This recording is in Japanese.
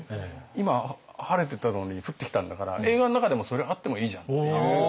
今晴れてたのに降ってきたんだから映画の中でもそれあってもいいじゃんっていう。